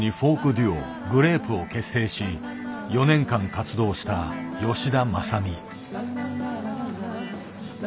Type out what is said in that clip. デュオ「グレープ」を結成し４年間活動した吉田政美。